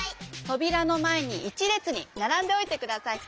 とびらのまえに１れつにならんでおいてください。